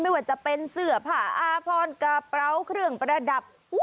ไม่ว่าจะเป็นเสื้อผ้าอาพรกระเป๋าเครื่องประดับ